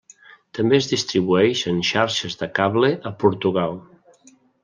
També es distribueix en xarxes de cable a Portugal.